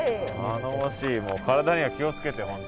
体には気を付けて本当に。